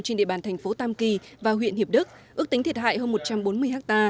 trên địa bàn thành phố tam kỳ và huyện hiệp đức ước tính thiệt hại hơn một trăm bốn mươi ha